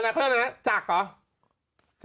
จักหรอใช่ไหมหน้าขาเจ้าพริกนะ